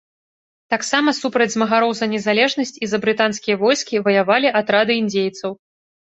Таксама супраць змагароў за незалежнасць і за брытанскія войскі ваявалі атрады індзейцаў.